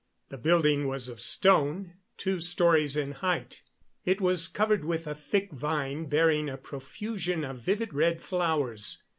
The building was of stone, two stories in height. It was covered with a thick vine bearing a profusion of vivid red flowers.